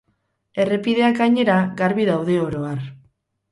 Errepideak, gainera, garbi daude, oro har.